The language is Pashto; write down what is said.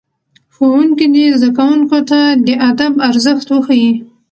ښوونکي دي زدهکوونکو ته د ادب ارزښت وښيي.